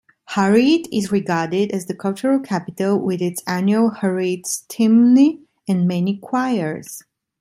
Hareid is regarded as the cultural capital with its annual "Hareidsstemne" and many choirs.